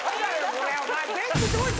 これお前。